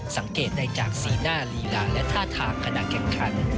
สังเกตได้จากสีหน้าลีลาและท่าทางขณะแข่งขัน